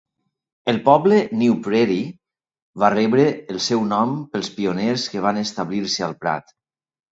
El poble New Praire va rebre el seu nom dels pioners que van establir-se al prat.